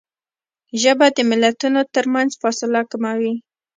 ژبه د ملتونو ترمنځ فاصله کموي